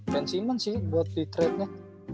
ben simmons sih buat di trade nya